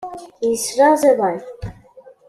Yeslaẓ iḍan.